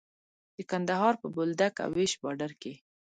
د کندهار په بولدک او ويش باډر کې.